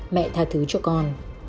mẹ tha thứ cho con